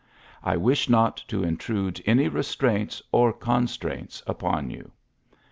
I wish not to intrude any restraints or con straints upon you.